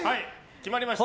決まりました。